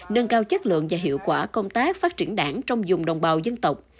nâng cao chất lượng và hiệu quả công tác phát triển đảng trong dùng đồng bào dân tộc